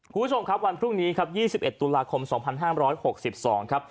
คุณผู้ชมครับวันพรุ่งนี้ครับ๒๑ตุลาคม๒๕๖๒ครับ